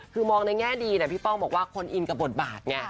คือมองในแง่ดีนะพี่ป้องบอกว่าคนอินกับบทบาทไง